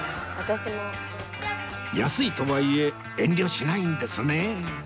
安いとはいえ遠慮しないんですねえ